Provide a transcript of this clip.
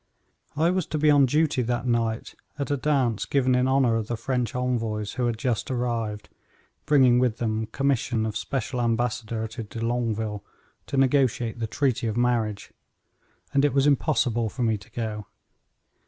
I was to be on duty that night at a dance given in honor of the French envoys who had just arrived, bringing with them commission of special ambassador to de Longueville to negotiate the treaty of marriage, and it was impossible for me to go.